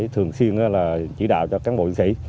thường xuyên chỉ đạo cho cán bộ diễn sĩ